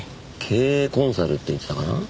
経営コンサルって言ってたかな。